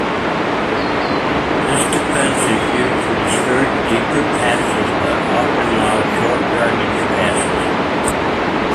This defense is used to discourage deeper passes, but often allows short yardage passes.